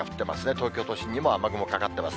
東京都心にも雨雲かかってます。